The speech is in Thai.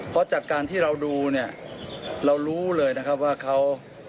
เพราะจากการที่เราดูเนี่ยเรารู้เลยนะครับว่าเขา